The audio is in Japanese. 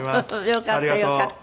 よかったよかった。